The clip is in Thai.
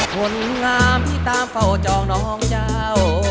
ผลงามที่ตามเฝ้าจองน้องเจ้า